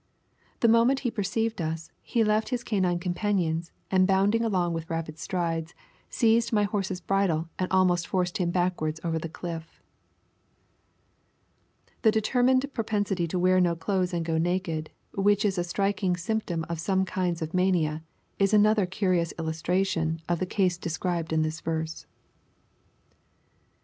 The moment he percieved us, he left his canine companions, and bounding along with rapid strides, seized my horse's bridle, and almost forced him backwards over the clifil" The determined propensity to wear no clothes and go naked, which is a striking symptom of some kinds of mania, is another curious illustration of the case described in this verse.